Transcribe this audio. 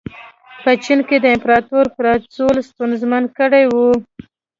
په چین کې د امپراتور راپرځول ستونزمن کړي وو.